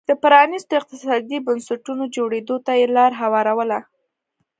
د پرانیستو اقتصادي بنسټونو جوړېدو ته یې لار هواروله